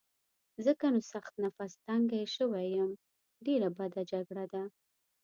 ځکه نو سخت نفس تنګی شوی یم، ډېره بده جګړه ده.